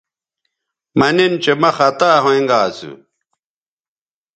مہ نن چہ مہ خطا ھوینگا اسو